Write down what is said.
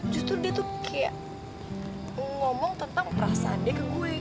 justru dia tuh kayak ngomong tentang perasaan dia ke gue